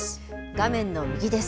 画面の右です。